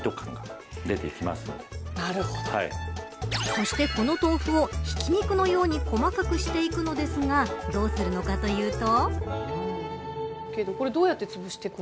そして、この豆腐をひき肉のように細かくしていくのですがどうするのかというと。